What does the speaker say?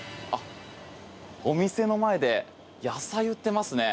お店の前で野菜売ってますね。